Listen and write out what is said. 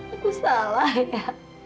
aku salah ya